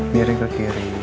miring ke kiri